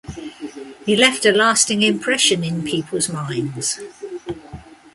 He left a lasting impression in people's minds.